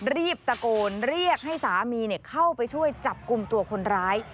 รีบตะโกนเรียกให้สามีเข้าไปช่วยจับกลุ่มตัวคนร้าย